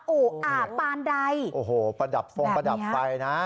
โอ๋อ่าป่านใดโอ้โหพระดับฟรมพระดับไฟน่ะ